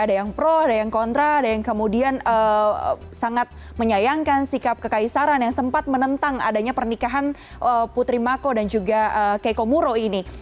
ada yang pro ada yang kontra ada yang kemudian sangat menyayangkan sikap kekaisaran yang sempat menentang adanya pernikahan putri mako dan juga keiko muro ini